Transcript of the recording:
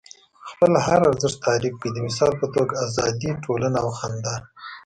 خپل هر ارزښت تعریف کړئ. د مثال په توګه ازادي، ټولنه او خندا.